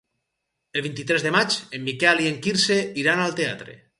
El vint-i-tres de maig en Miquel i en Quirze iran al teatre.